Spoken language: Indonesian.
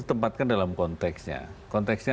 ditempatkan dalam konteksnya konteksnya